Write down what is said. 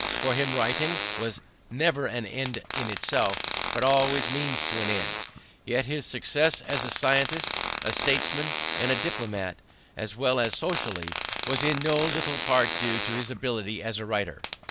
For him writing was never an end in itself, but always a means to an end. Yet his success as a scientist, a statesman, and a diplomat, as well as socially, was in no little part due to his ability as a writer.